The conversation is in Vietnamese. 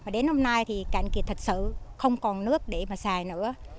đến hôm nay thì cạn kiệt thật sự không còn nước để mà xài nữa